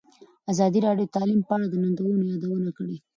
ازادي راډیو د تعلیم په اړه د ننګونو یادونه کړې.